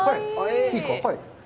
いいですか、はい。